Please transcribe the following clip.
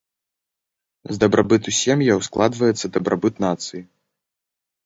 З дабрабыту сем'яў складваецца дабрабыт нацыі.